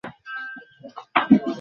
আমি তখন চুপ করে রইলুম।